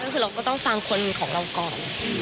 ก็คือเราก็ต้องฟังคนของเราก่อน